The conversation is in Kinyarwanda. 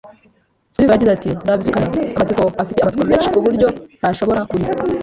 Silver yagize ati: "Nzabizirikana", amatsiko afite amatsiko menshi kuburyo ntabishobora, kuri